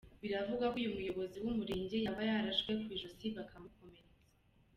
Biravugwa ko uwo muyobozi w’umurenge yaba yarashwe ku ijosi bakamukomeretsa.